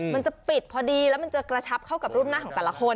มันจะปิดพอดีแล้วมันจะกระชับเข้ากับรูปหน้าของแต่ละคน